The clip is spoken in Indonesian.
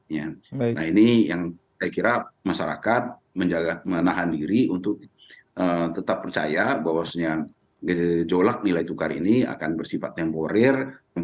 nah ini yang saya kira masyarakat menahan diri untuk tetap percaya bahwasannya gejolak nilai tukar ini akan bersifat temporer